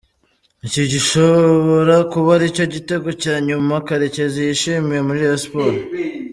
iki gishobora kuba aricyo gitego cya nyuma Karekezi yishimiye muri Rayon Sports.